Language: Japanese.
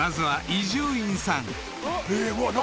伊集院さん